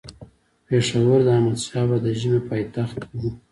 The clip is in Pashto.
پيښور د احمدشاه بابا د ژمي پايتخت وو